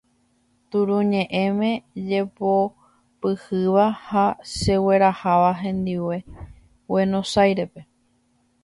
Turuñe'ẽme chepopyhýva ha chegueraháva hendive Guenosáirepe.